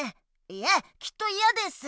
いえきっといやです。